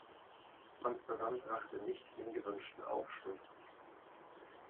Amsterdam brachte nicht den gewünschten Aufschluss.